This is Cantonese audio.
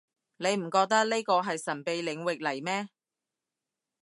你唔覺呢個係神秘領域嚟咩